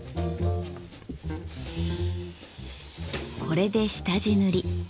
これで下地塗り。